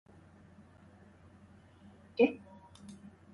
The play was set entirely to music.